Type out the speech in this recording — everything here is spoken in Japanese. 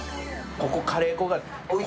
ここカレー粉が。